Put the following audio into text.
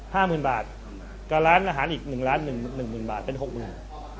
ห้าหมื่นบาทกับร้านอาหารอีกหนึ่งล้านหนึ่งหนึ่งหมื่นบาทเป็นหกหมื่น